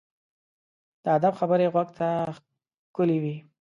د ادب خبرې غوږ ته ښکلي وي.